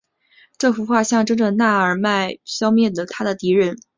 这幅画象征着那尔迈消灭了他的敌人。